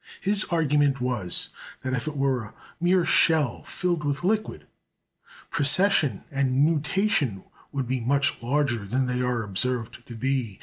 His argument was, that if it were a mere shell filled with liquid, precession and nutation would be much larger than they are observed to be.